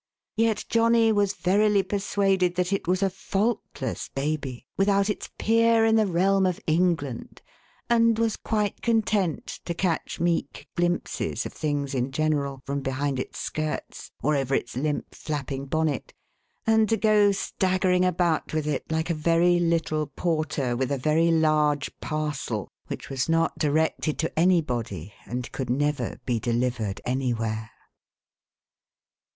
Yet Johnny was verily persuaded that it was a faultless baby, without its peer in the realm of England ; and was quite con tent to catch meekglimpsesof things in general from behind its skirts, or over its limp flapping bonnet, and to go staggering about with it like a very little porter with a very large parcel, which was not directed to anybody, and could never be delivered anywhere.